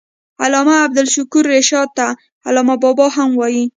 علامه عبدالشکور رشاد ته علامه بابا هم وايي.